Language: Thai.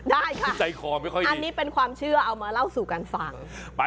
ได้ค่ะอันนี้เป็นความเชื่อเอามาเล่าสู่กันฟัง